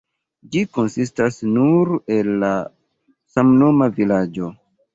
Ĝi konsistas nur el la samnoma vilaĝo.